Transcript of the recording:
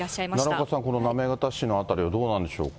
奈良岡さん、この行方市の辺りはどうなんでしょうか。